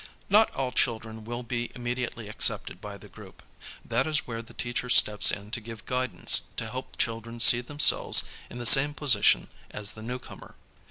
Not all children w ill be immediately accepted by the group. That is where the teacher steps in to give guidance to help children see themselves in the same position as the newcomer.